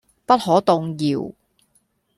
不可動搖